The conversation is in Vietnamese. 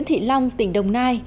thị long tỉnh đồng nai